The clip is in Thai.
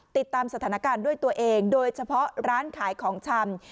ติดตามสถานการณ์ด้วยตัวเองโดยเฉพาะร้านขายของชำ